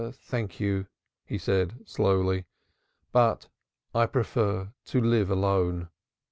"Thank you," he said slowly. "But I prefer to live alone."